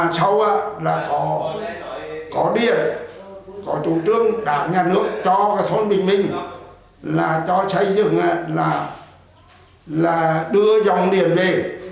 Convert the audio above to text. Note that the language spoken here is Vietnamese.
có điện có chủ trương đảng nhà nước cho cái thôn bình minh là cho xây dựng là là đưa dòng điện về